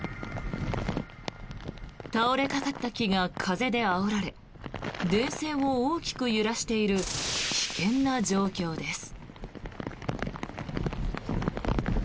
倒れかかった木が風であおられ電線を大きく揺らしている危険な状況です。